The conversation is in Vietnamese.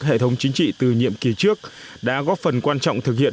hệ thống chính trị từ nhiệm kỳ trước đã góp phần quan trọng thực hiện